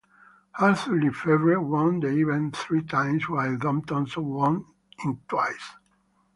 Arthur Le Fevre won the event three times while Don Thomson won it twice.